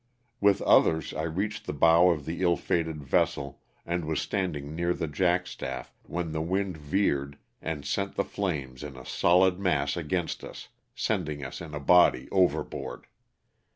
With others I reached the bow of the ill fated vessel and was standing near the jack staff, when the wind veered and sent the flames in a solid mass against us, sending us in a body overboard.